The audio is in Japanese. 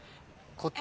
こっち？